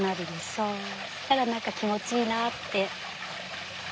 そしたら何か気持ちいいなって。